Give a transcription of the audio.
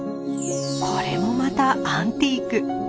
これもまたアンティーク。